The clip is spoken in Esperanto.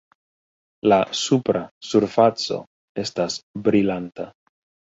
La supra surfaco estas brilanta.